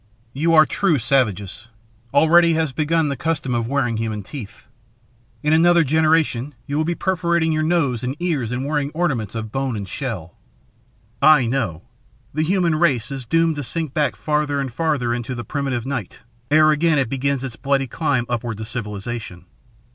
"You are true savages. Already has begun the custom of wearing human teeth. In another generation you will be perforating your noses and ears and wearing ornaments of bone and shell. I know. The human race is doomed to sink back farther and farther into the primitive night ere again it begins its bloody climb upward to civilization.